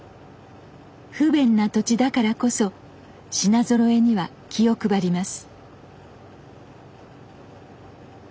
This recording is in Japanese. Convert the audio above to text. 不便な土地だからこそ品ぞろえには気を配ります。